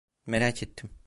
Merak ettim.